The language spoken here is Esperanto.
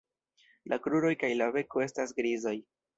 La kruroj kaj la beko estas grizaj.